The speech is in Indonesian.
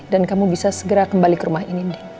dan kamu bisa segera kembali ke rumah ini andien